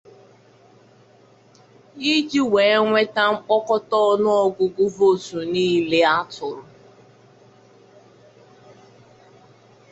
iji wee nwete mkpokọta ọnụọgụgụ vootu niile a tụrụ